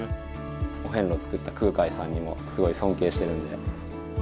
お遍路を作った空海さんにもすごい尊敬してるので。